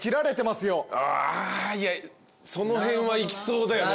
その辺はいきそうだよね。